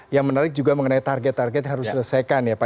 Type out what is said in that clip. yang menarik juga mengenai target target yang harus diselesaikan ya pak